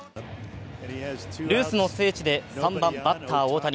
ルースの聖地で３番バッター大谷。